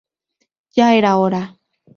Ya era hora".